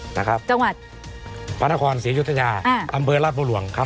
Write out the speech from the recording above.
จังหวัดพระนครศรียุทธญาอำเบิร์นราชบุหรวงครับ